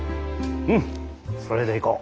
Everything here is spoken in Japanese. うんそれでいこう。